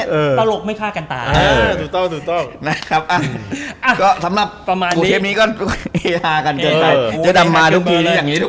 อยู่แล้วทำร้ายเรื่องนี้